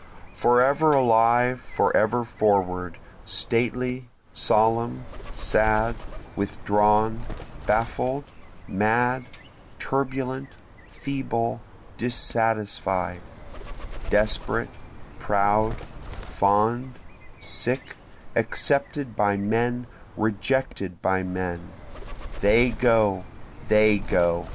Forever alive, forever forward, Stately, solemn, sad, withdrawn, baffled, mad, turbulent, feeble, dissatisfied, Desperate, proud, fond, sick, accepted by men, rejected by men, They go! they go!